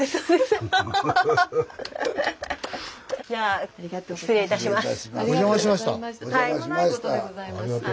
じゃあ失礼いたします。